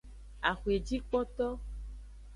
Axwejikpoto.